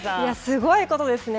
すごいことですね。